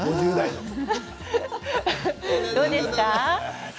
どうですか？